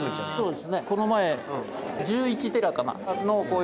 そうですね